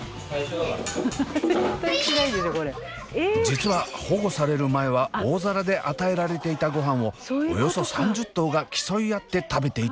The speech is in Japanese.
実は保護される前は大皿で与えられていたごはんをおよそ３０頭が競い合って食べていたそうです。